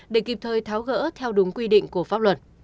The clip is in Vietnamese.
để kịp thời tháo gỡ theo đúng quy định của pháp luật